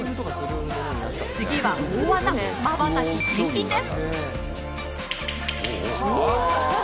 次は大技、まばたき厳禁です！